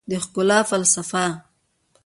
د ښکلا فلسفه